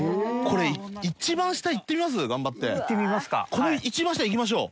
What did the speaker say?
この一番下いきましょう。